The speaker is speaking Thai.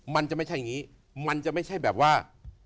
มันจะไม่ใช่อย่างนี้มันจะไม่ใช่แบบว่า